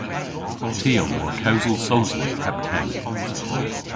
Ty a wor kewsel Sowsnek hepken.